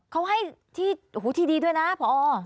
เขาให้ที่ดีด้วยนะพอ